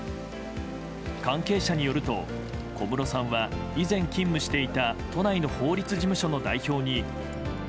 関係者によると、小室さんは以前勤務していた都内の法律事務所の代表に。